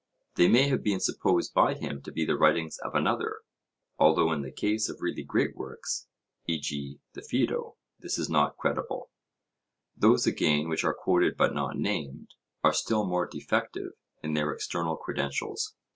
They may have been supposed by him to be the writings of another, although in the case of really great works, e.g. the Phaedo, this is not credible; those again which are quoted but not named, are still more defective in their external credentials.